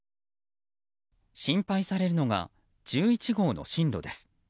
心配されるのが１１号の進路です。